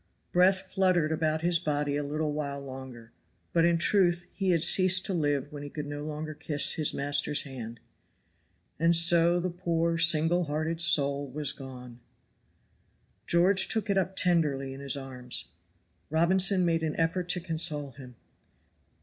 Breath fluttered about his body a little while longer; but in truth he had ceased to live when he could no longer kiss his master's hand. And so the poor single hearted soul was gone. George took it up tenderly in his arms. Robinson made an effort to console him.